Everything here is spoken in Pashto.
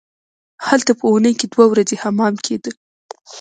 هلته په اونۍ کې دوه ورځې حمام کیده.